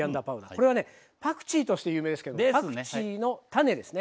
これはねパクチーとして有名ですけどパクチーの種ですね。